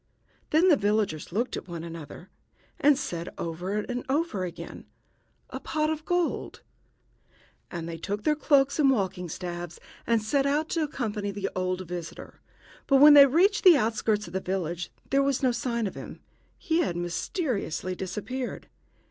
Then the villagers looked at one another, and said over and over again, "A pot of gold!" And they took cloaks and walking staves and set out to accompany the old visitor; but when they reached the outskirts of the village there was no sign of him. He had mysteriously disappeared.